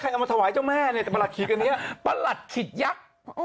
ใครเอามาสวายเจ้าแม่เนี่ยปรัสขิกอันนี้ปรัสขิกยักษ์